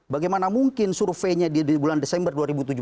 bagaimana mungkin surveinya di bulan desember dua ribu tujuh belas